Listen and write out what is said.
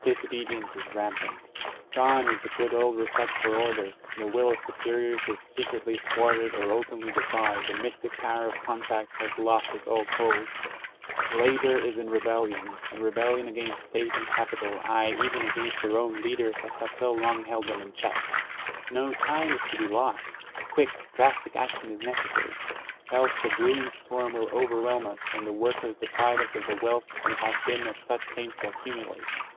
Disobedience is rampant. 11 ^one is the good old respect for orders, the will of superiors is secretly thwarted or openly defied, the mystic power of contracts has lost its old hold. Labor is in rebellion — in rebellion against State and Capital, aye, even against their own leaders that have so long held them in check. No time is to be lost! Quick, drastic action is necessary. Else the brewing storm will overwhelm us, and the workers deprive us of the wealth we have been at such pains to accumulate.